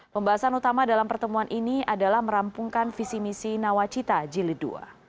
pembahasan utama dalam pertemuan ini adalah merampungkan visi misi nawacita jilid ii